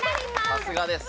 さすがです。